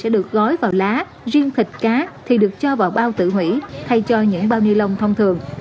sẽ được gói vào lá riêng thịt cá thì được cho vào bao tự hủy thay cho những bao ni lông thông thường